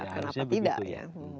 harusnya begitu ya